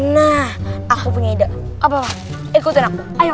nah aku punya ide apa ikutin aku ayo